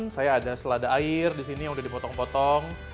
saya ada selada air di sini yang udah dipotong potong